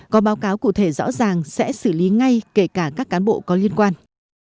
có báo cáo cụ thể rõ ràng sẽ xử lý ngay kể cả các cán bộ có liên quan